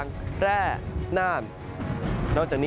นั้นภูมิ